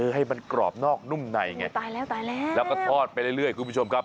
ให้มันกรอบนอกนุ่มในไงตายแล้วตายแล้วแล้วก็ทอดไปเรื่อยคุณผู้ชมครับ